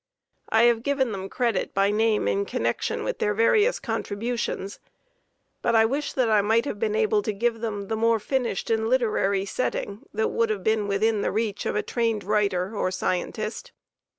I have given them credit by name in connection with their various contributions, but I wish that I might have been able to give them the more finished and literary setting that would have been within the reach of a trained writer or scientist.